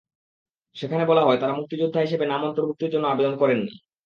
সেখানে বলা হয়, তাঁরা মুক্তিযোদ্ধা হিসেবে নাম অন্তর্ভুক্তির জন্য আবেদন করেননি।